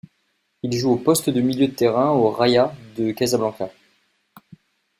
Il joue au poste de milieu de terrain au Raja de Casablanca.